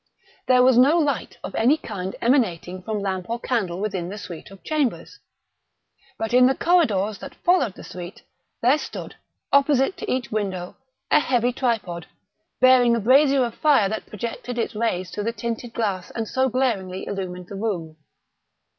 There was no light of any kind emanating from lamp or candle within the suite of chambers. But in the corridors that followed the suite, there stood, opposite to each window, a heavy tripod, bearing a brazier of fire that projected its rays through the tinted glass and so glaringly illumined the room.